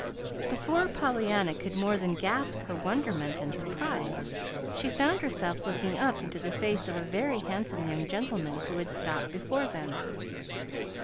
Before Pollyanna could more than gasp her wonderment and surprise, she found herself looking up into the face of a very handsome young gentleman, who had stopped before them.